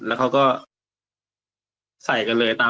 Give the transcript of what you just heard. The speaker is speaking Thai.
แล้วเขาก็ใส่กันเลยตาม